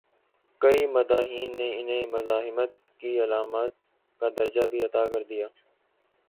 کئی مداحین نے انہیں مزاحمت کی علامت کا درجہ بھی عطا کر دیا۔